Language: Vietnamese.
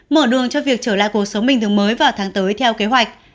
mở đường cho việc trở lại cuộc sống bình thường mới vào tháng tới theo kế hoạch